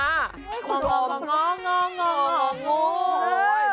เฮ้ยเออเอ้อมางงงง